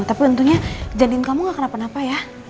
tapi untungnya janin kamu gak kenapa napa ya